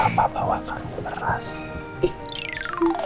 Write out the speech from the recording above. dan papa bawakan beras